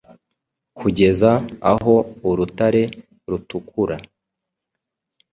kugeza aho urutare rutukura,